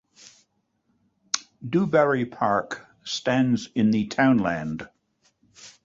Dubarry Park stands in the townland.